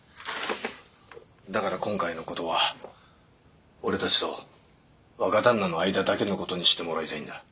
だから今回の事は俺たちと若旦那の間だけの事にしてもらいたいんだ。